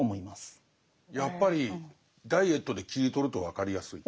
やっぱりダイエットで切り取ると分かりやすい。